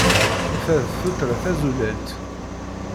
Ta d tuttra tazulalt.